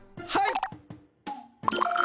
はい。